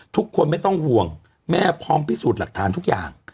ทุกคนไม่ต้องห่วงแม่พร้อมพิสูจน์หลักฐานทุกอย่าง